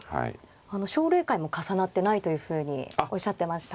奨励会も重なってないというふうにおっしゃってました。